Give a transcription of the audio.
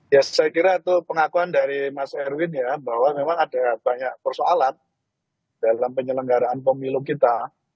ya saya kira itu pengakuan dari mas erwin ya bahwa memang ada banyak persoalan dalam penyelenggaraan pemilu kita